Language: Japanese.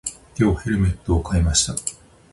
今日、ヘルメットを買いました。